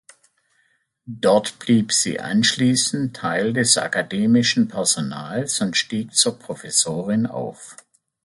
Dort blieb sie anschließend Teil des akademischen Personals und stieg zur Professorin auf.